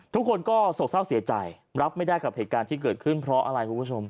ทุกคนก็โศกเศร้าเสียใจรับไม่ได้กับเหตุการณ์ที่เกิดขึ้นเพราะอะไรคุณผู้ชม